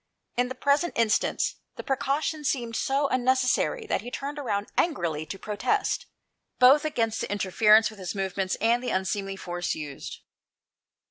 In the present instance, the precaution seemed so unnecessary that he turned about angrily to protest, both against the interference with his movements, and the unseemly force used.